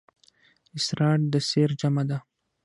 اسرار د سِر جمعه ده.